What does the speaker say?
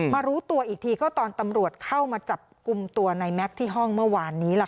ว่าในแม็กซ์เองก็ไม่ได้มีท่าทีรุกรีรุกรนอะไรนะคะ